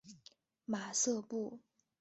马瑟布。